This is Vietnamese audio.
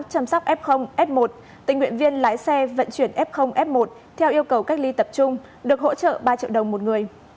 chăm sóc f f một tình nguyện viên lái xe vận chuyển f f một theo yêu cầu cách ly tập trung được hỗ trợ ba triệu đồng một người